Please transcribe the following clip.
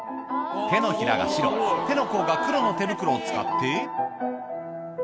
手のひらが白、手の甲が黒の手袋を使って。